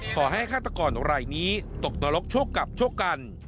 ขอให้ฆาตกรไหล่นี้ตกนรกชกกับชกกัน